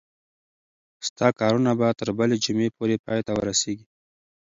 ستا کارونه به تر بلې جمعې پورې پای ته ورسیږي.